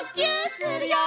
するよ！